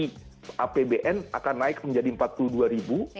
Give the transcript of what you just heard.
pbi apbn akan naik menjadi rp empat puluh dua